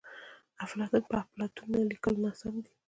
افلاطون په اپلاتون لیکل ناسم ندي.